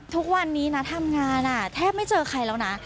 ทุกวันนี้นะทำงานแทบไม่เจอใครแล้วนะ